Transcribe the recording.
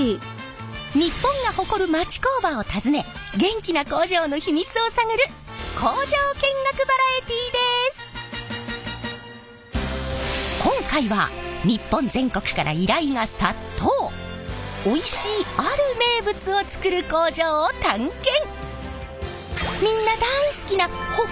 日本が誇る町工場を訪ね元気な工場の秘密を探る今回はおいしいある名物を作る工場を探検！